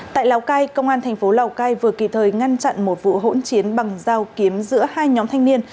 tại lào cai công an tp lào cai vừa kỳ thời ngăn chặn một vụ hỗn chiến bằng dao kiếm giữa hai nhóm thanh niên